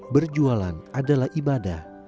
berjualan adalah ibadah